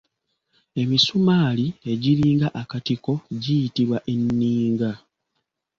Emisumaali egiringa akatiko giyitibwa Enninga.